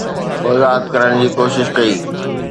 وضاحت ڪرڻ جي ڪوشش ڪئي